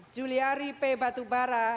juliari p batubara